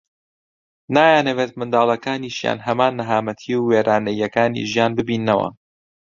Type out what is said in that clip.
نایانەوێت منداڵەکانیشیان هەمان نەهامەتی و وێرانەییەکانی ژیان ببیننەوە